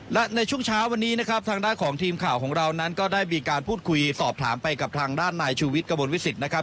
และในช่วงเช้าวันนี้นะครับทางด้านของทีมข่าวของเรานั้นก็ได้มีการพูดคุยสอบถามไปกับทางด้านนายชูวิทย์กระมวลวิสิตนะครับ